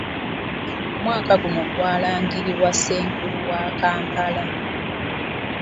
Omwaka guno gwalangirirwa Ssenkulu wa Kampala.